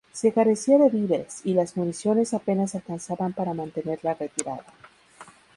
Se carecía de víveres y las municiones apenas alcanzaban para mantener la retirada.